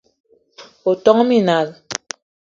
O ton minal